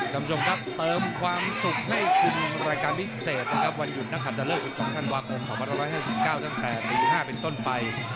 ดำจงครับเติมความสุขให้คุณรายการพิเศษนะครับวันหยุดนะครับทะเลสุทธิ์ของท่านวาโคมของ๑๒๙ตั้งแต่ปี๕เป็นต้นไป